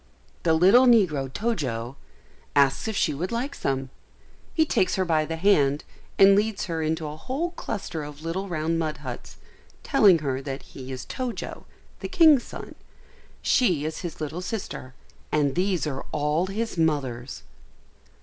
The little negro, Tojo, asks if she would like some; he takes her by the hand, and leads her into a whole cluster of little round mud huts, telling her that he is Tojo, the king's son; she is his little sister, and these are all his mothers!